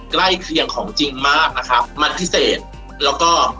ใกล้เคียงของจริงมากนะครับมันพิเศษแล้วก็